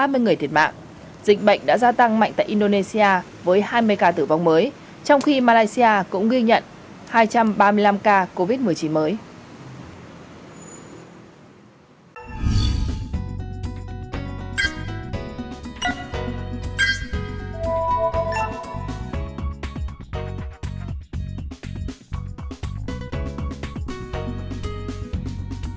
trong khi ba mươi người thiệt mạng dịch bệnh đã gia tăng mạnh tại indonesia với hai mươi ca tử vong mới trong khi malaysia cũng ghi nhận hai trăm ba mươi năm ca covid một mươi chín mới